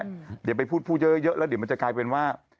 เดี๋ยวไปพูดพูดเยอะแล้วเดี๋ยวมันจะกลายเป็นว่า